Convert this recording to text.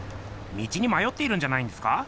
道にまよっているんじゃないんですか？